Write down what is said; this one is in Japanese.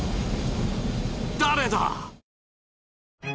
誰だ？